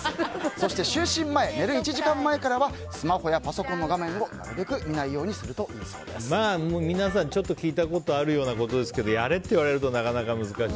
そして就寝前寝る１時間前からはスマホやパソコンの画面をなるべく見ないようにすると皆さんちょっと聞いたことあるようなことですけどやれって言われるとなかなか難しい。